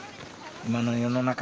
今の世の中